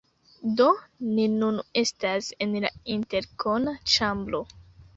Do, ni nun estas en la interkona ĉambro